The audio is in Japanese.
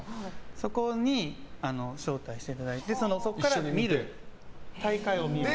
そこに招待していただいてそこから大会を見る。